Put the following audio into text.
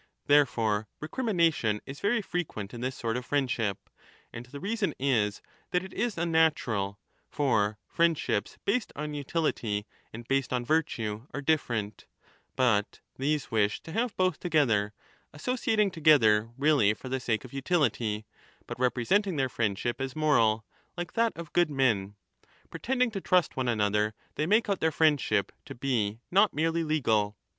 Therefore recrimination is very frequenf in this sort of friendship ; and the reason is that it is unnatural ; for friendships based on utility and based on virtue are different ; buttheseJVish to "nave^othjogether, associating together really for the sake of utility, but representing their friendship as moral, like 40 that of good men ; pretending to trust one another they 1243^ make out their friendship to be not merely legal.